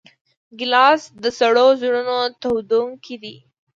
ګیلاس د سړو زړونو تودوونکی دی.